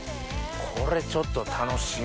これちょっと楽しみ。